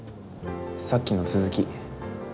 さっきの続き。